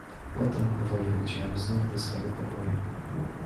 "Potem powoli wróciłem znów do swego pokoju."